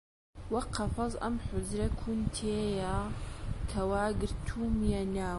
وەک قەفەس ئەم حوجرە کون تێیە کە وا گرتوومیە ناو